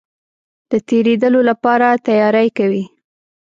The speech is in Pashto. د تېرېدلو لپاره تیاری کوي.